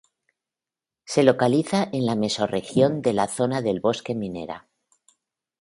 Se localiza en la Mesorregión de la Zona del bosque minera.